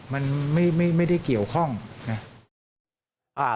มันไม่ได้เกี่ยวข้องนะ